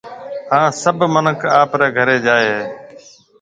ھان سڀ منک آپرَي گھرَي جائيَ ھيََََ